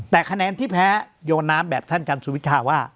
แต่คะแนนที่แพ้โยนน้ำแบบท่านจันทร์สุวิชาว่า